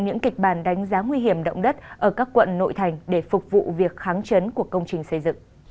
những kịch bản đánh giá nguy hiểm động đất ở các quận nội thành để phục vụ việc kháng chiến của công trình xây dựng